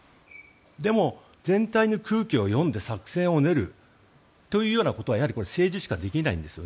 でも、全体の空気を読んで作戦を練るというようなことはやはり政治しかできないんです。